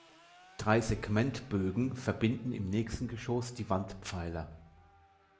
Drei Segmentbögen verbinden im nächsten Geschoss die Wandpfeiler.